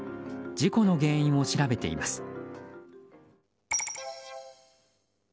事故の原因を調べています。